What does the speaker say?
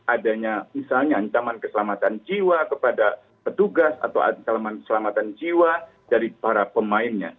adanya misalnya ancaman keselamatan jiwa kepada petugas atau ancaman keselamatan jiwa dari para pemainnya